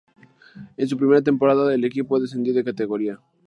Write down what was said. En su primera temporada el equipo descendió de categoría.